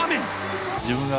自分が。